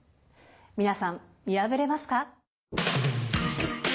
皆さん見破れますか？